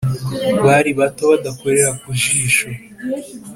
Bari bato badakorera ku jisho